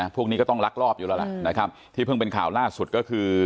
พวกนี้ก็ต้องลักรอบอยู่แล้วใช่ไหมที่เพิ่งเป็นข่าวล่าสุดคือ